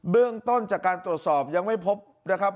เรื่องต้นจากการตรวจสอบยังไม่พบนะครับ